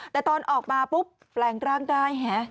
แต่ตอนออกมาปุ๊บแปลงร่างได้